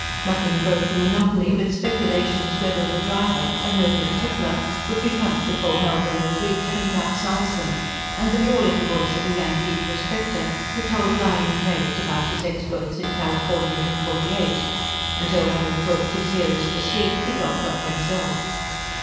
Nothing broke the monotony but speculations whether the driver a noted tippler would be drunk before Melbourne was reached and capsize them; and the drawling voice of a Yankee prospector, who told lying tales about his exploits in California in '48 until, having talked his hearers to sleep, he dropped off himself.